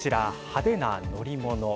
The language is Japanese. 派手な乗り物。